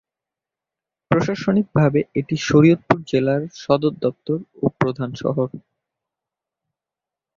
প্রশাসনিকভাবে এটি শরীয়তপুর জেলার সদরদপ্তর ও প্রধান শহর।